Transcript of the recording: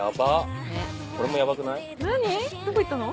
どこ行ったの？